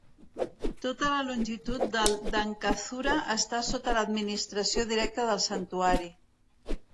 Tota la longitud del dankazura està sota l'administració directa del santuari.